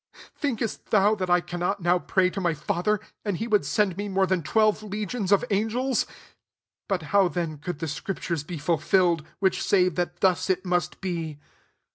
53 Think est thou, that I cannot now pray to my Father, and he would send me, more than twelve legions of angels? 54 But how then, could the scriptures be fulfilled, which say that thus it must be